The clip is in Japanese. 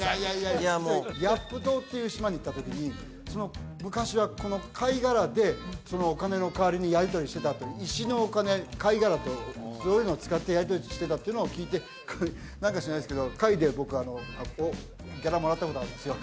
いやあもうヤップ島っていう島に行った時に昔はこの貝殻でお金の代わりにやり取りしてたって石のお金貝殻とそういうのを使ってやり取りしてたというのを聞いて何か知らないですけど貝で僕ギャラもらったことあるんですよ